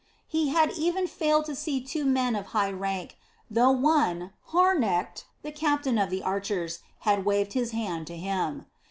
He had even failed to see two men of high rank, though one, Hornecht, the captain of the archers, had waved his hand to him.